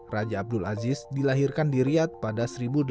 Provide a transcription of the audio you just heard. raja abdul aziz dilahirkan di riyad pada seribu delapan ratus tujuh puluh enam